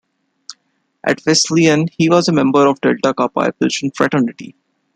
At Wesleyan he was a member of Delta Kappa Epsilon fraternity.